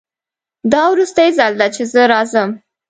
دا وروستی ځل ده چې زه راځم